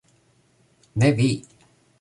Ne vi!